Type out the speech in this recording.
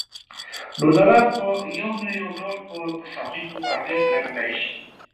ډونران په یو نه یو ډول په تصامیمو اغیز لرلای شي.